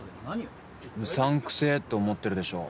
「うさんくせぇ」って思ってるでしょ。